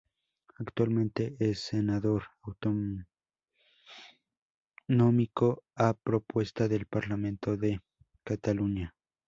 Actualmente es senador autonómico a propuesta del Parlamento de Cataluña.